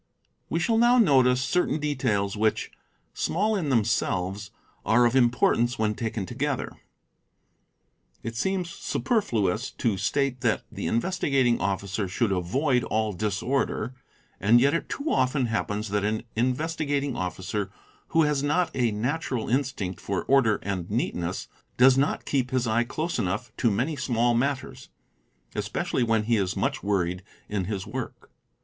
We shall now notice certain details which, small in themselves, are of importance when taken together. It seems superfluous to state that the Investigating Officer should avoid all disorder, and yet it too often happens that an Investigating Officer who has not a natural instinct for order and neatness does not keep his eye close enough to many small matters, especially when he is much worried in his work.